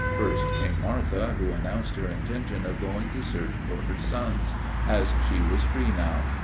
First came Martha, who announced her intention of going to search for her sons, as she was free now.